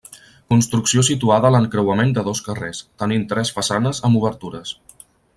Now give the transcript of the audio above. Construcció situada a l'encreuament de dos carrers, tenint tres façanes amb obertures.